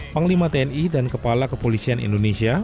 panglima tni dan kepala kepolisian indonesia